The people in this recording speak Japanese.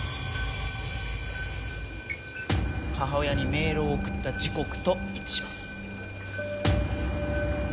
母親にメールを送った時刻と一致します。